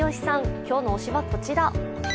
今日の推しはこちら。